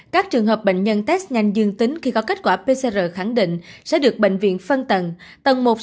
các trường hợp bệnh nhân test nhanh dương tính khi có kết quả pcr khẳng định sẽ được bệnh viện phân tầng tầng một